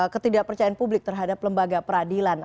ketidakpercayaan publik terhadap lembaga peradilan